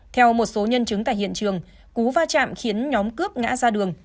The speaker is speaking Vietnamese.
theo một số nhân chứng tại hiện trường cú va chạm khiến nhóm cướp ngã ra đường